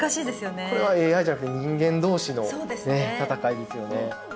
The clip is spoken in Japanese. これはＡＩじゃなくて人間同士の戦いですよね。